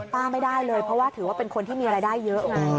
ไม่ได้เลยเพราะว่าถือว่าเป็นคนที่มีรายได้เยอะไง